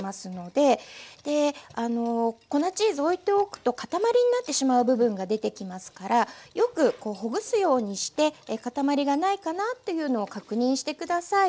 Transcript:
で粉チーズおいておくと塊になってしまう部分が出てきますからよくほぐすようにして塊がないかなっていうのを確認して下さい。